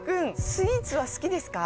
スイーツは好きですか？